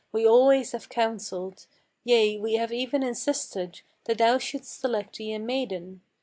We always have counselled, Yea, we have even insisted, that thou shouldst select thee a maiden.